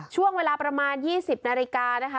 ช่วงเวลาประมาณ๒๐นาฬิกานะคะ